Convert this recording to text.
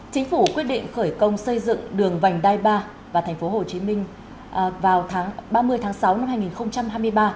chính phủ quyết định khởi công xây dựng đường vành đai ba và tp hcm vào tháng ba mươi tháng sáu năm hai nghìn hai mươi ba